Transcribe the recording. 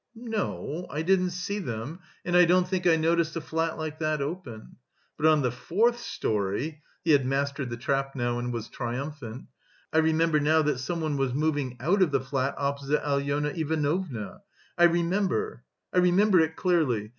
"No, I didn't see them, and I don't think I noticed a flat like that open.... But on the fourth storey" (he had mastered the trap now and was triumphant) "I remember now that someone was moving out of the flat opposite Alyona Ivanovna's.... I remember... I remember it clearly.